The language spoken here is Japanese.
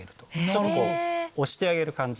ちょっとこう押してあげる感じ。